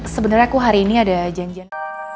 sebenarnya aku hari ini ada janjian